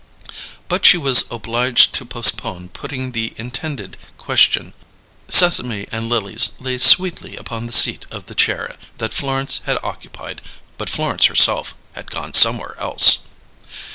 But she was obliged to postpone putting the intended question. "Sesame and Lilies" lay sweetly upon the seat of the chair that Florence had occupied; but Florence herself had gone somewhere else.